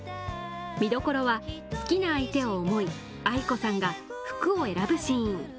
見どころは、好きな相手を思い、ａｉｋｏさんが服を選ぶシーン。